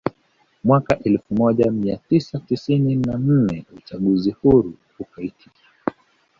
Mwaka elfu moja mia tisa tisini na nne uchaguzi huru ukaitishwa